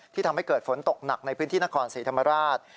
ทำให้เกิดฝนตกหนักในพื้นที่นครศรีธรรมราช